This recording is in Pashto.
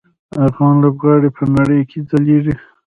افغان لوبغاړي په نړۍ کې ځلیږي.